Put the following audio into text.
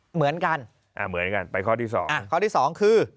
เหมือนกันอ่ะเหมือนกันไปข้อที่สองข้อที่สองคือ